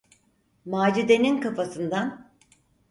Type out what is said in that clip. Macide’nin kafasından: